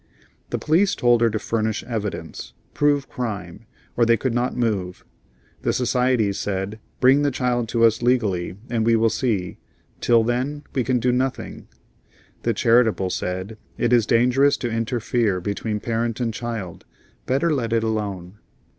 The police told her to furnish evidence, prove crime, or they could not move; the societies said: "bring the child to us legally, and we will see; till then we can do nothing"; the charitable said, "it is dangerous to interfere between parent and child; better let it alone."